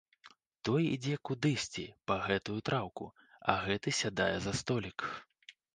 Той ідзе кудысьці па гэтую траўку, а гэты сядае за столік.